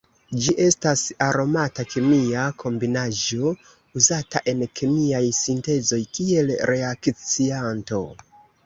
Ĝi estas aromata kemia kombinaĵo uzata en kemiaj sintezoj kiel reakcianto.